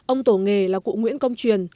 ông tổ nghề là cụ nguyễn công truyền